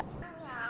mẹ chào mẹ